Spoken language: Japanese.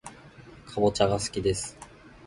かぼちゃがすきです